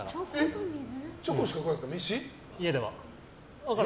チョコしか食わないんですか？